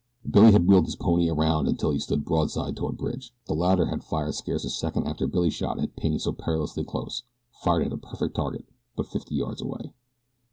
Billy had wheeled his pony around until he stood broadside toward Bridge. The latter fired scarce a second after Billy's shot had pinged so perilously close fired at a perfect target but fifty yards away.